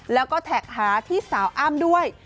แล้วก็แท็กหาที่สาวอ้ำด้วย